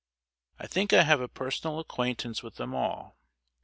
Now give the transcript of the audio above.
I think I have a personal acquaintance with them all.